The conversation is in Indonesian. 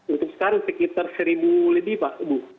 untuk sekarang sekitar seribu lebih pak